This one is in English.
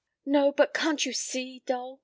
p> "No, but can't you see, Dole?